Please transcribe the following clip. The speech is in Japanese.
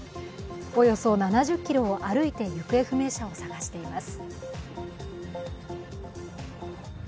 およそ７０ｋｍを歩いて行方不明者を捜しています。